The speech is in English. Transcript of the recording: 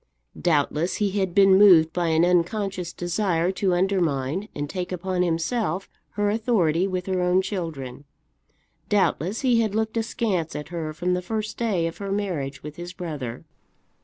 Doubtless he had been moved by an unconscious desire to undermine and take upon himself her authority with her own children. Doubtless he had looked askance at her from the first day of her marriage with his brother.